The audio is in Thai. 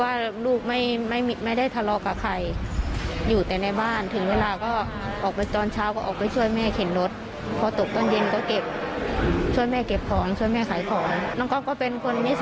อะไรก็เพื่อนอะไรก็เพื่อน